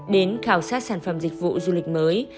đến khảo sát sản phẩm dịch vụ du lịch mới